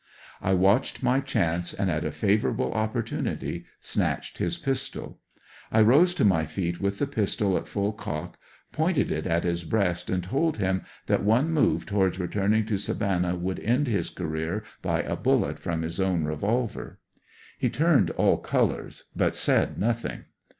I watched my chance, and at a favorable opportunity, snatched his pistol. *^^* I rose to my feet with the pistol at full cock, pointed it at his breast and told him that one move towards returning to Savannah would end his career by a bullet from his own revolver. He turned all colors, but said notliing.